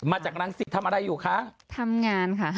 มาจากรังสิตทำอะไรอยู่คะ